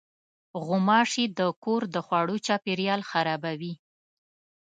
غوماشې د کور د خوړو چاپېریال خرابوي.